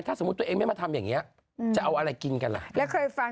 ถ้าสมมุติตัวเองไม่มาทำอย่างเงี้ยจะเอาอะไรกินกันล่ะแล้วเคยฟัง